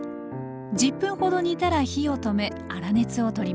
１０分ほど煮たら火を止め粗熱を取ります